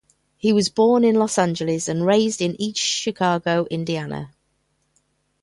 He was born in Los Angeles and raised in East Chicago, Indiana.